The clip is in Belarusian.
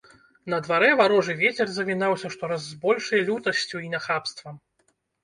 На дварэ варожы вецер завінаўся штораз з большай лютасцю і нахабствам.